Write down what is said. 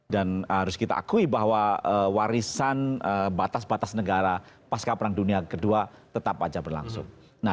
dan harus kita akui bahwa warisan batas batas negara pasca perang dunia kedua tetap saja berlangsung